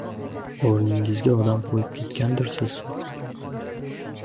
O‘rningizga odam qo‘yib kelgandirsiz.